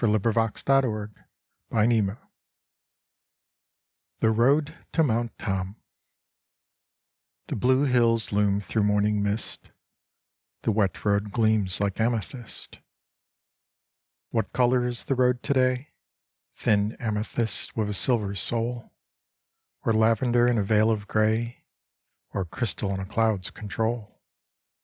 SONGS OF NEW ENGLAND ROADS THE ROAD TO MOUNT TOM The blue hills loom through morning mist : The wet road gleams like amethyst. What color is the road today? Thin amethyst with a silver soul, Or lavender in a veil of gray, Or crystal in a cloud's control?